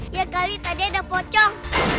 ya kali tadi ada pocong